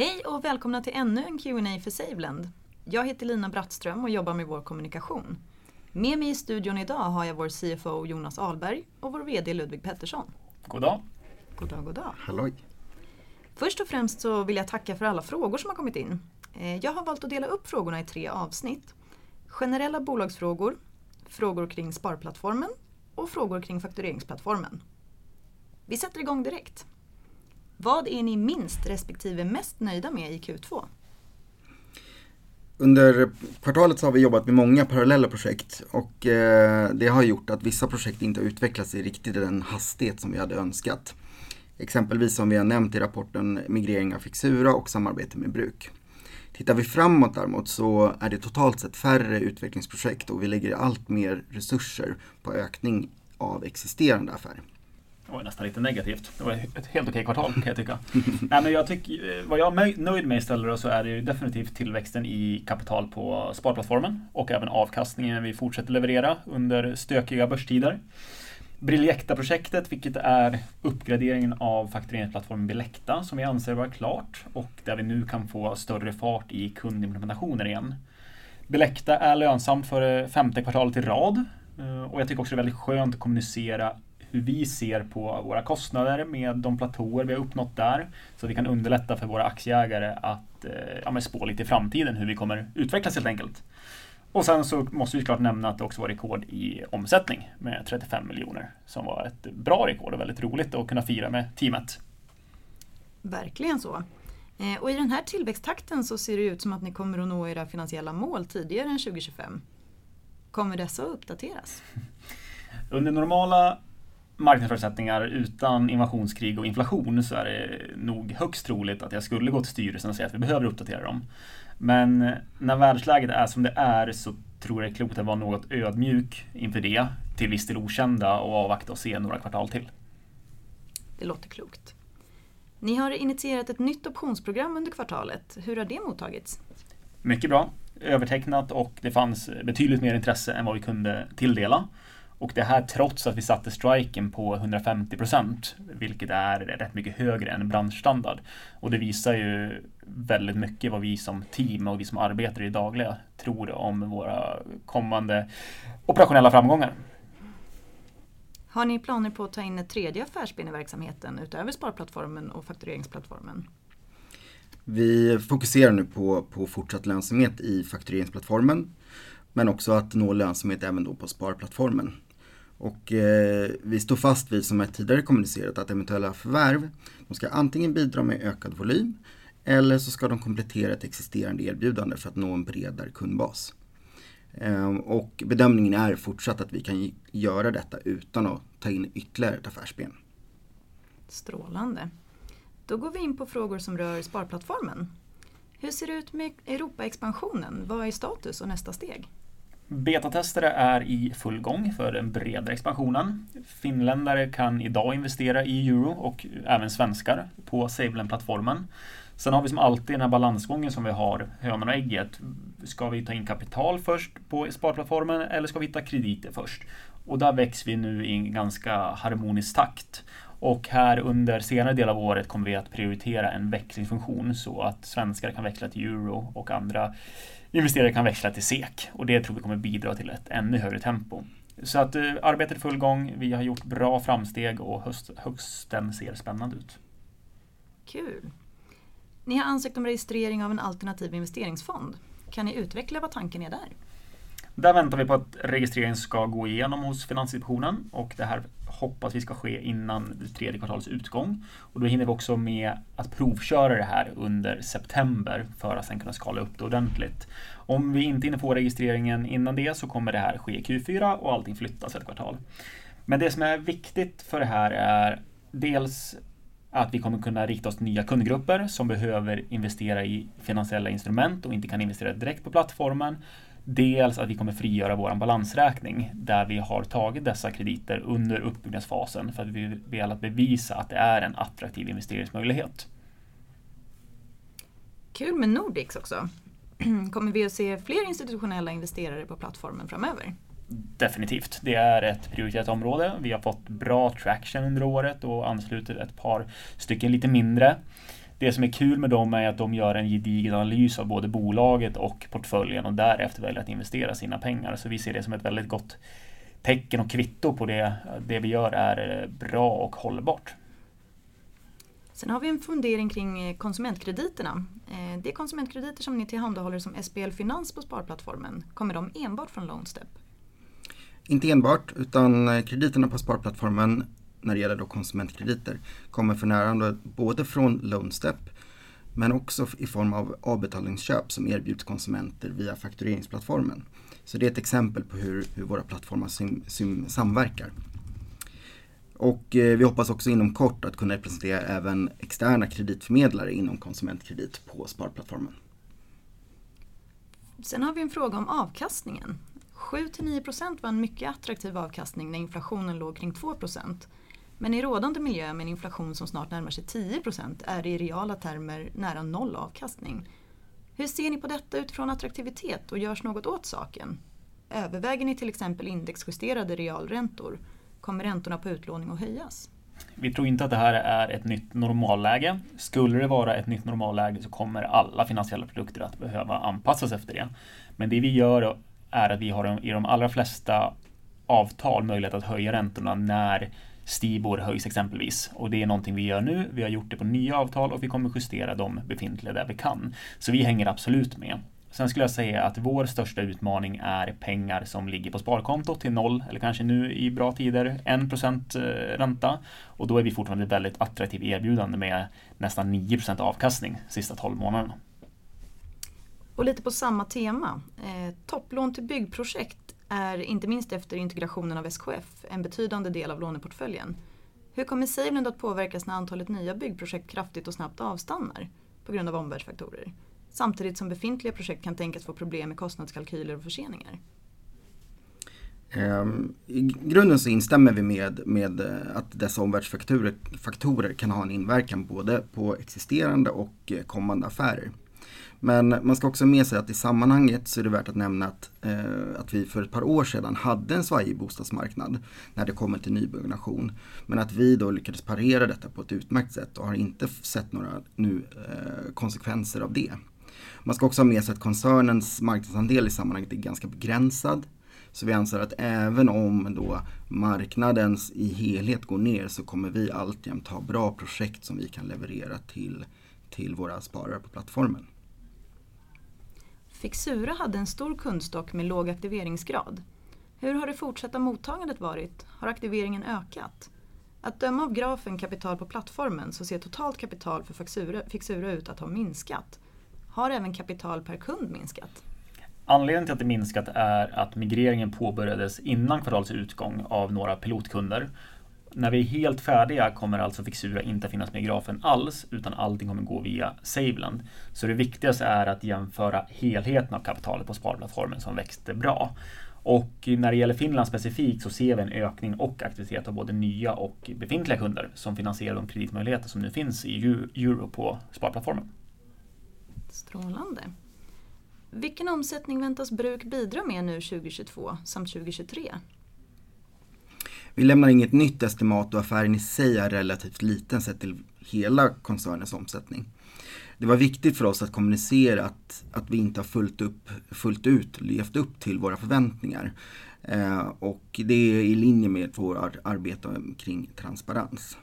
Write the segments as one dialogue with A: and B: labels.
A: Hej och välkomna till ännu en Q&A för SaveLend. Jag heter Lina Brattström och jobbar med vår kommunikation. Med mig i studion idag har jag vår CFO Jonas Ahlberg och vår VD Ludvig Pettersson.
B: Goddag.
A: Goddag, goddag.
C: Halloj.
A: Först och främst så vill jag tacka för alla frågor som har kommit in. Jag har valt att dela upp frågorna i tre avsnitt. Generella bolagsfrågor, frågor kring sparplattformen och frågor kring faktureringsplattformen. Vi sätter i gång direkt. Vad är ni minst respektive mest nöjda med i Q2?
C: Under kvartalet så har vi jobbat med många parallella projekt och, det har gjort att vissa projekt inte har utvecklats i riktigt den hastighet som vi hade önskat. Exempelvis, som vi har nämnt i rapporten, migrering av Fixura och samarbete med Bruk. Tittar vi framåt däremot så är det totalt sett färre utvecklingsprojekt och vi lägger allt mer resurser på ökning av existerande affär.
B: Det var ju nästan lite negativt. Det var ett helt okej kvartal kan jag tycka. Nej, men vad jag är nöjd med istället då, så är det ju definitivt tillväxten i kapital på sparplattformen och även avkastningen vi fortsätter leverera under stökiga börstider. Billecta-projektet, vilket är uppgraderingen av faktureringsplattformen Billecta, som vi anser vara klart och där vi nu kan få större fart i kundimplementationer igen. Billecta är lönsamt för femte kvartalet i rad. Och jag tycker också det är väldigt skönt att kommunicera hur vi ser på våra kostnader med de platåer vi har uppnått där. Så vi kan underlätta för våra aktieägare att ja, men spå lite i framtiden hur vi kommer utvecklas helt enkelt. Måste vi klart nämna att också vårt rekord i omsättning med SEK 35 miljoner, som var ett bra rekord och väldigt roligt att kunna fira med teamet.
A: Verkligen så. I den här tillväxttakten så ser det ut som att ni kommer att nå era finansiella mål tidigare än 2025. Kommer dessa att uppdateras?
B: Under normala marknadsförutsättningar, utan invasionskrig och inflation, så är det nog högst troligt att jag skulle gå till styrelsen och säga att vi behöver uppdatera dem. Men när världsläget är som det är så tror jag det är klokt att vara något ödmjuk inför det till viss del okända och avvakta och se några kvartal till.
A: Det låter klokt. Ni har initierat ett nytt optionsprogram under kvartalet. Hur har det mottagits?
B: Mycket bra, övertecknat och det fanns betydligt mer intresse än vad vi kunde tilldela. Det här trots att vi satte strike på 150%, vilket är rätt mycket högre än branschstandard. Det visar ju väldigt mycket vad vi som team och vi som arbetar i det dagliga tror om våra kommande operationella framgångar.
A: Har ni planer på att ta in en tredje affärsben i verksamheten utöver sparplattformen och faktureringsplattformen?
C: Vi fokuserar nu på fortsatt lönsamhet i faktureringsplattformen, men också att nå lönsamhet även på sparplattformen. Vi står fast vid som jag tidigare kommunicerat att eventuella förvärv de ska antingen bidra med ökad volym eller så ska de komplettera ett existerande erbjudande för att nå en bredare kundbas. Bedömningen är fortsatt att vi kan göra detta utan att ta in ytterligare ett affärsben.
A: Strålande. Då går vi in på frågor som rör sparplattformen. Hur ser det ut med Europaexpansionen? Vad är status och nästa steg?
B: Betatester är i full gång för den bredare expansionen. Finländare kan i dag investera i euro och även svenskar på SaveLend-plattformen. Har vi som alltid den här balansgången som vi har hönan och ägget. Ska vi ta in kapital först på sparplattformen eller ska vi ta krediter först? Där växer vi nu i en ganska harmonisk takt. Här under senare del av året kommer vi att prioritera en växlingsfunktion så att svenskar kan växla till euro och andra investerare kan växla till SEK. Det tror vi kommer bidra till ett ännu högre tempo. Att arbetet är i full gång. Vi har gjort bra framsteg och hösten ser spännande ut.
A: Kul. Ni har ansökt om registrering av en alternativ investeringsfond. Kan ni utveckla vad tanken är där?
B: Där väntar vi på att registreringen ska gå igenom hos Finansinspektionen och det här hoppas vi ska ske innan det tredje kvartalets utgång. Då hinner vi också med att provköra det här under september för att sedan kunna skala upp det ordentligt. Om vi inte hinner få registreringen innan det så kommer det här ske Q4 och allting flyttas ett kvartal. Det som är viktigt för det här är dels att vi kommer kunna rikta oss till nya kundgrupper som behöver investera i finansiella instrument och inte kan investera direkt på plattformen, dels att vi kommer frigöra vår balansräkning där vi har tagit dessa krediter under uppbyggnadsfasen för att vi vill bevisa att det är en attraktiv investeringsmöjlighet.
A: Kul med Nordics också. Kommer vi att se fler institutionella investerare på plattformen framöver?
B: Definitivt. Det är ett prioriterat område. Vi har fått bra traction under året och anslutit ett par stycken lite mindre. Det som är kul med dem är att de gör en gedigen analys av både bolaget och portföljen och därefter väljer att investera sina pengar. Så vi ser det som ett väldigt gott tecken och kvitto på det vi gör är bra och hållbart.
A: Har vi en fundering kring konsumentkrediterna. De konsumentkrediter som ni tillhandahåller som SBL Finans på sparplattformen, kommer de enbart från Loanstep?
C: Inte enbart, utan krediterna på sparplattformen, när det gäller då konsumentkrediter, kommer för närvarande både från Loanstep men också i form av avbetalningsköp som erbjuds konsumenter via faktureringsplattformen. Det är ett exempel på hur våra plattformar synkar, samverkar. Vi hoppas också inom kort att kunna representera även externa kreditförmedlare inom konsumentkredit på sparplattformen.
A: Har vi en fråga om avkastningen. 7%-9% var en mycket attraktiv avkastning när inflationen låg kring 2%. Men i rådande miljö med en inflation som snart närmar sig 10% är det i reala termer nära 0% avkastning. Hur ser ni på detta utifrån attraktivitet och görs något åt saken? Överväger ni till exempel indexjusterade realräntor? Kommer räntorna på utlåning att höjas?
B: Vi tror inte att det här är ett nytt normalläge. Skulle det vara ett nytt normalläge så kommer alla finansiella produkter att behöva anpassas efter det. Det vi gör är att vi har i de allra flesta avtal möjlighet att höja räntorna när STIBOR höjs exempelvis. Det är någonting vi gör nu. Vi har gjort det på nya avtal och vi kommer att justera de befintliga där vi kan. Vi hänger absolut med. Skulle jag säga att vår största utmaning är pengar som ligger på sparkonto till 0 eller kanske nu i bra tider, 1% ränta. Då är vi fortfarande ett väldigt attraktivt erbjudande med nästan 9% avkastning sista 12 månaderna.
A: Lite på samma tema. Topplån till byggprojekt är inte minst efter integrationen av SKF en betydande del av låneportföljen. Hur kommer SaveLend att påverkas när antalet nya byggprojekt kraftigt och snabbt avstannar på grund av omvärldsfaktorer? Samtidigt som befintliga projekt kan tänkas få problem med kostnadskalkyler och förseningar.
C: I grunden så instämmer vi med att dessa omvärldsfaktorer kan ha en inverkan både på existerande och kommande affärer. Man ska också ha med sig att i sammanhanget så är det värt att nämna att vi för ett par år sedan hade en svajig bostadsmarknad när det kommer till nybyggnation, men att vi då lyckades parera detta på ett utmärkt sätt och har inte sett några nu konsekvenser av det. Man ska också ha med sig att koncernens marknadsandel i sammanhanget är ganska begränsad. Vi anser att även om då marknaden i helhet går ner så kommer vi alltjämt ha bra projekt som vi kan leverera till våra sparare på plattformen.
A: Fixura hade en stor kundstock med låg aktiveringsgrad. Hur har det fortsatta mottagandet varit? Har aktiveringen ökat? Att döma av grafen kapital på plattformen så ser totalt kapital för Fixura ut att ha minskat. Har även kapital per kund minskat?
B: Anledningen till att det minskat är att migreringen påbörjades innan kvartalets utgång av några pilotkunder. När vi är helt färdiga kommer alltså Fixura inte att finnas med i grafen alls, utan allting kommer gå via SaveLend. Det viktigaste är att jämföra helheten av kapitalet på sparplattformen som växte bra. När det gäller Finland specifikt så ser vi en ökning och aktivitet av både nya och befintliga kunder som finansierar de kreditmöjligheter som nu finns i euro på sparplattformen.
A: Strålande. Vilken omsättning väntas Bruk bidra med nu 2022 samt 2023?
C: Vi lämnar inget nytt estimat och affären i sig är relativt liten sett till hela koncernens omsättning. Det var viktigt för oss att kommunicera att vi inte har fullt upp, fullt ut levt upp till våra förväntningar. Det är i linje med vårt arbete kring transparens.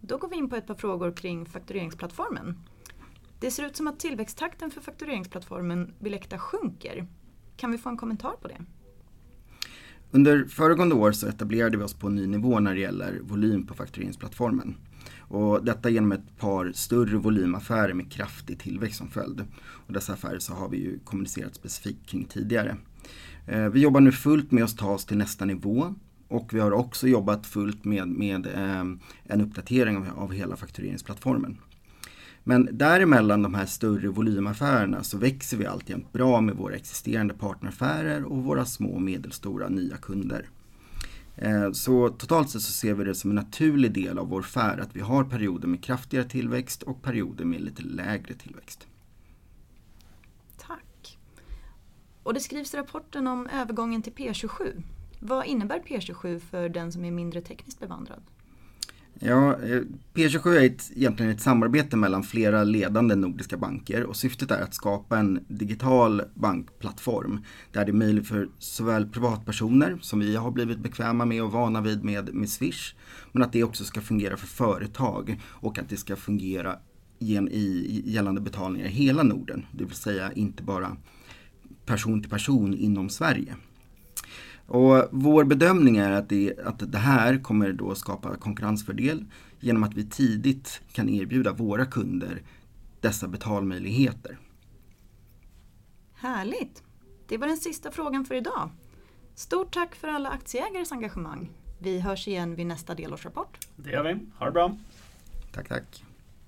A: Då går vi in på ett par frågor kring faktureringsplattformen. Det ser ut som att tillväxttakten för faktureringsplattformen, Billecta, sjunker. Kan vi få en kommentar på det?
C: Under föregående år så etablerade vi oss på en ny nivå när det gäller volym på faktureringsplattformen. Detta genom ett par större volymaffärer med kraftig tillväxt som följd. Dessa affärer så har vi ju kommunicerat specifikt kring tidigare. Vi jobbar nu fullt med att ta oss till nästa nivå och vi har också jobbat fullt med en uppdatering av hela faktureringsplattformen. Däremellan de här större volymaffärerna så växer vi alltjämt bra med våra existerande partneraffärer och våra små och medelstora nya kunder. Totalt sett så ser vi det som en naturlig del av vår färd att vi har perioder med kraftigare tillväxt och perioder med lite lägre tillväxt.
A: Tack. Och det skrivs i rapporten om övergången till P27. Vad innebär P27 för den som är mindre tekniskt bevandrad?
C: Ja, P27 är egentligen ett samarbete mellan flera ledande nordiska banker och syftet är att skapa en digital bankplattform där det är möjligt för såväl privatpersoner som vi har blivit bekväma med och vana vid med Swish, men att det också ska fungera för företag och att det ska fungera även i gällande betalningar i hela Norden, det vill säga inte bara person till person inom Sverige. Vår bedömning är att det här kommer då att skapa konkurrensfördel genom att vi tidigt kan erbjuda våra kunder dessa betalmöjligheter.
A: Härligt. Det var den sista frågan för i dag. Stort tack för alla aktieägares engagemang. Vi hörs igen vid nästa delårsrapport.
B: Det gör vi. Ha det bra.
C: Tack, tack.